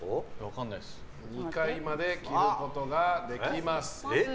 ２回まで切ることができます。